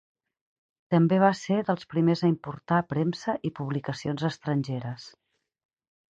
També va ser dels primers a importar premsa i publicacions estrangeres.